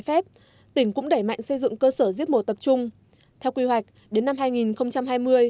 phép tỉnh cũng đẩy mạnh xây dựng cơ sở giết mổ tập trung theo quy hoạch đến năm hai nghìn hai mươi